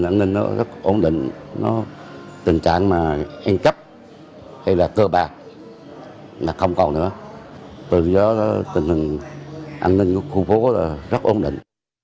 nó tình trạng mà hên cấp hay là cơ bạc là không còn nữa từ đó tình hình an ninh của khu phố là rất ổn định